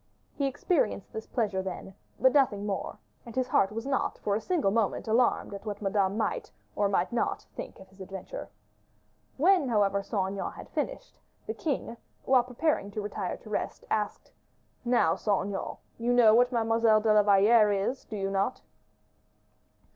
He experienced this pleasure then, but nothing more, and his heart was not, for a single moment, alarmed at what Madame might, or might not, think of his adventure. When, however, Saint Aignan had finished, the king, while preparing to retire to rest, asked, "Now, Saint Aignan, you know what Mademoiselle de la Valliere is, do you not?"